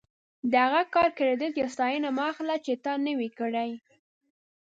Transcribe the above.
د هغه کار کریډیټ یا ستاینه مه اخله چې تا نه وي کړی.